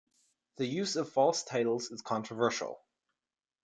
The use of false titles is controversial.